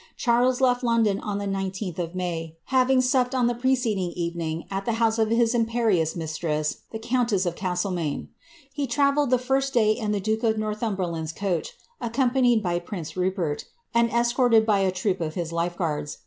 Charles lef^ London on the r, having supped on the preceding evening at the house of js mistress, the countess of Castlcmaine. He travelled the he duke of Northumberland's coach, accompanied by prince escorted by a troop of his life guards.